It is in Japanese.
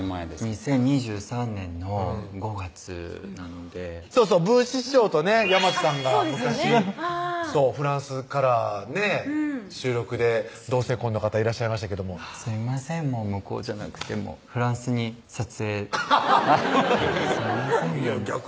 ２０２３年の５月なのでそうそう文枝師匠とね山瀬さんが昔フランスからね収録で同性婚の方いらっしゃいましたけどもすいません向こうじゃなくてフランスに撮影アハハハッすいません